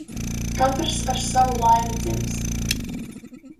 Katrs ar savu laimi dzimst.